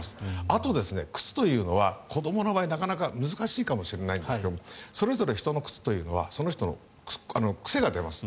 あと、靴というのは子どもの場合なかなか難しいかもしれませんがそれぞれ人の靴というのはその人の癖が出ます。